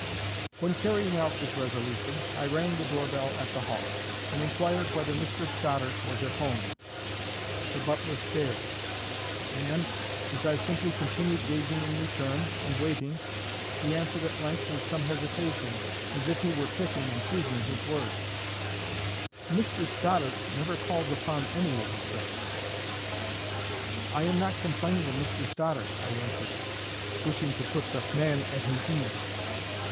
When, carrying out this resolution, I rang the doorbell at the Hall, and inquired whether Mr Stoddart was at home, the butler stared; and, as I simply continued gazing in return, and waiting, he answered at length, with some hesitation, as if he were picking and choosing his words: "Mr Stoddart never calls upon any one, sir." "I am not complaining of Mr Stoddart," I answered, wishing to put the man at his ease.